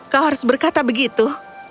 kau harus berkata begitu